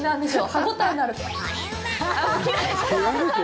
歯応えのあるコレ